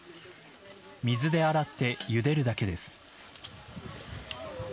水で洗ってゆでるだけです。